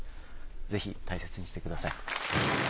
ぜひ大切にしてください。